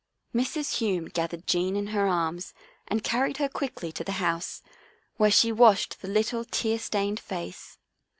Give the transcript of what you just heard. Mrs. Hume gathered Jean in her arms and carried her quickly to the house, where she washed the little, tear stained face.